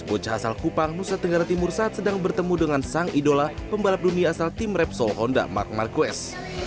bocah asal kupang nusa tenggara timur saat sedang bertemu dengan sang idola pembalap dunia asal tim repsol honda mark marquez